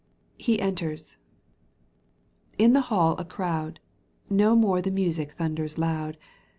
He enters : in the hall a crowd, N^o more the music thunders loud.